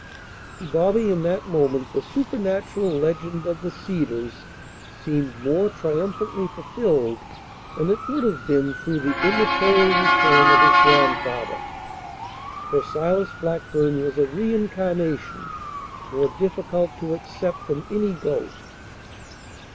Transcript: To Bobby in that moment the supernatural legend of the Cedars seemed more triumphantly fulfilled than it would have been through the immaterial return of his grandfather. For Silas Blackburn was a reincarnation more difficult to accept than any ghost.